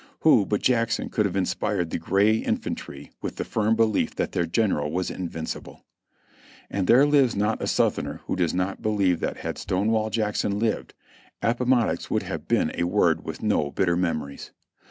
Who but Jackson could have inspired the gray infantry with the firm belief that their general was invincible ? And there lives not a Southerner who does not believe that had Stonewall Jackson lived, Appomattox would have been a word with no bitter memories.